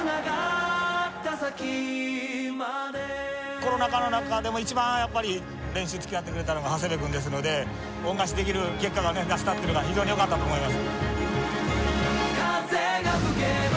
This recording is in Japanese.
コロナ禍の中でも一番、練習につきあってくれたのが長谷部君ですので恩返しできる結果が出せたのが非常によかったと思います。